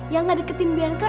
yang nggak deketin bianca